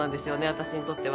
私にとっては。